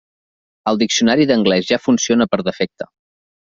El diccionari d'anglès ja funciona per defecte.